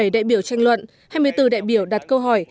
một mươi đại biểu tranh luận hai mươi bốn đại biểu đặt câu hỏi